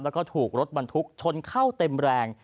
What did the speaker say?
แล้วก็ถูกรถบรรทุกชนเข้าเต็มแรง